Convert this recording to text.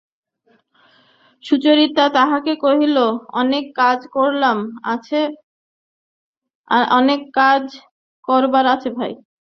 সুচরিতা তাহাকে কহিল, অনেক কাজ করবার আছে ভাই।